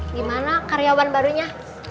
gimana karyawan barunya